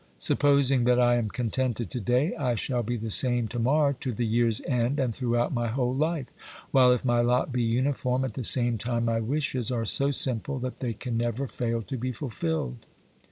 Supposing that I am contented to day, I shall be the same to morrow, to the year's end, and throughout my whole life, while, if my lot be uniform, at the same time my wishes are so simple that they can never fail to be fulfilled.